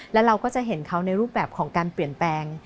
แล้วเราก็จะเห็นเขาในรูปแบบของการเปลี่ยนแปลง